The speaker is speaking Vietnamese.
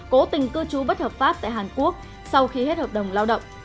cố tình cư trú bất hợp pháp tại hàn quốc sau khi hết hợp đồng lao động